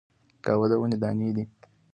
قهوه د ونې دانی دي